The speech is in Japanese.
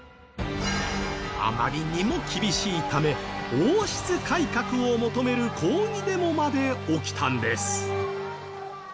あまりにも厳しいため王室改革を求める抗議デモまで起きたんです。